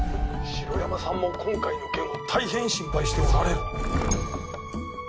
「城山さんも今回の件を大変心配しておられる」